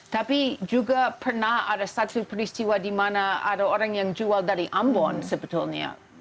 tapi juga pernah ada satu peristiwa di mana ada orang yang jual dari ambon sebetulnya